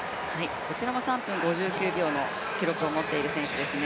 こちらも３分５９秒の記録を持っている選手ですね。